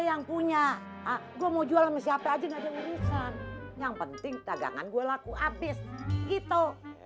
yang punya aku mau jualan siapa aja nggak ada urusan yang penting tagangan gua laku abis gitu